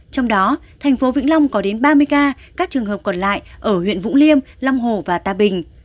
trong đó thành phố vĩnh long có đến ba mươi ca các trường hợp còn lại ở huyện vũng liêm long hồ và tà bình